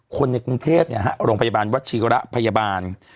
คนในกรุงเทศเนี่ยฮะโรงพยาบาลวัชชีวระพยาบาล